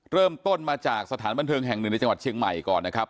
เริ่มต้นมาจากสถานบันเทิงแห่งหนึ่งในจังหวัดเชียงใหม่ก่อนนะครับ